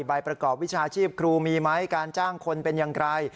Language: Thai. ใบประกอบวิชาชีพครูมีไหมการจ้างคนเป็นอย่างไร